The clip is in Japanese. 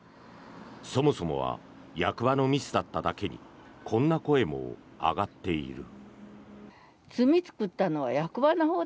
そもそもは役場のミスだっただけにこんな声も上がっている。